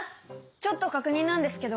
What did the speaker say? ちょっと確認なんですけど。